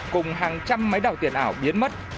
cùng hàng trăm máy đảo tiền ảo biến mất